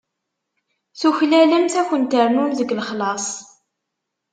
Tuklalemt ad kunt-rnun deg lexlaṣ.